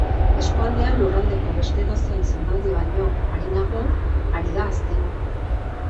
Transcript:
Eskualdea lurraldeko beste edozein zonalde baino arinago ari da hazten.